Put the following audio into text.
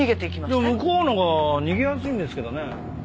いや向こうのほうが逃げやすいんですけどね。